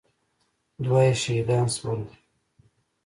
دوه يې شهيدان سول.